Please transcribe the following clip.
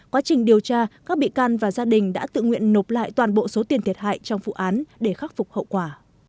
quá trình điều tra các bị can và gia đình đã tự nguyện nộp lại toàn bộ số tiền thiệt hại trong vụ án để khắc phục hậu quả